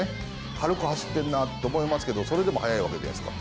軽く走ってるなと思いますけど、それでも速いわけじゃないですか。